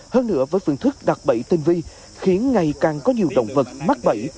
hơn nữa với phương thức đặt bẫy tinh vi khiến ngày càng có nhiều động vật mắc bẫy